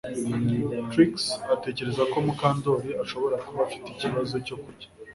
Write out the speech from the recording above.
Trix atekereza ko Mukandoli ashobora kuba afite ikibazo cyo kurya